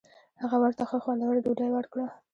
هغه ورته ښه خوندوره ډوډۍ ورکړه.